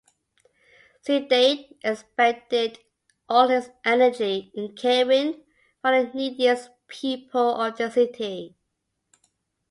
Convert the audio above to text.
Cidade expended all his energy in caring for the neediest people of the city.